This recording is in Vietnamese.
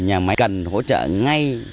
nhà máy cần hỗ trợ ngay